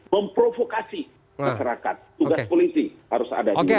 memprovokasi masyarakat tugas polisi harus ada